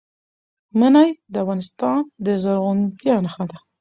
منی د افغانستان د زرغونتیا نښه ده.